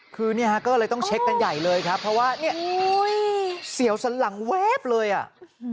คือเนี่ยฮะก็เลยต้องเช็คกันใหญ่เลยครับเพราะว่าเนี่ยเสียวสันหลังเวฟเลยอ่ะ